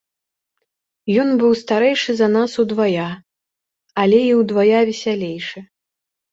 Ён быў старэйшы за нас удвая, але і ўдвая весялейшы.